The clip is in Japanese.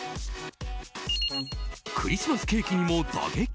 クリスマスケーキにも打撃！